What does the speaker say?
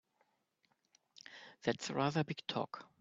That's rather big talk!